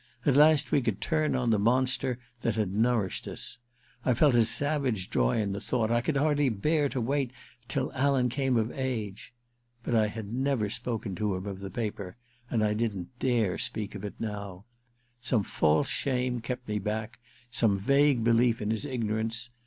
At last we could turn on the monster that had nourished us. I felt a savage joy in the thought — I could hardly bear to wait till Alan came of age. But I had never spoken to 3IO THE QUICKSAND iii him of the paper, and I didn't dare speak of it now. Some false shame kept me back, some vague belief in his ignorance.